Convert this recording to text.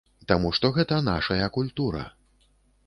Таму што гэта нашая культура.